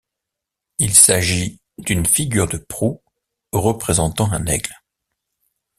Il s'agit d'une figure de proue représentant un aigle.